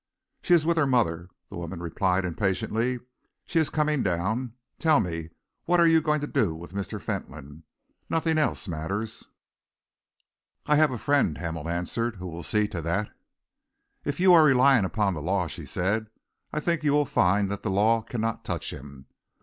"She is with her mother," the woman replied, impatiently. "She is coming down. Tell me, what are you going to do with Mr. Fentolin? Nothing else matters." "I have a friend," Hamel answered, "who will see to that." "If you are relying upon the law," she said, "I think you will find that the law cannot touch him.